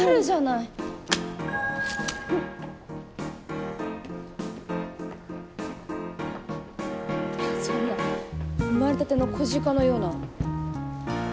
いやそんな生まれたての子鹿のような。